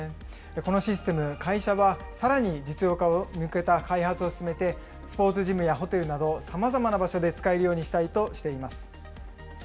このシステム、会社はさらに実用化に向けた開発を進めて、スポーツジムやホテルなど、さまざまな場所で使えるようにしたいとしています。